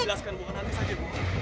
jelaskan bu nanti aja bu